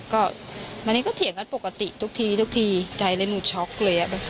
ก็วันนี้ก็เถียงกันปกติทุกทีทุกทีใจเลยหนูช็อกเลย